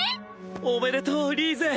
おめでとうリーゼ。